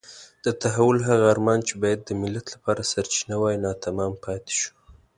د تحول هغه ارمان چې باید د ملت لپاره سرچینه وای ناتمام پاتې شو.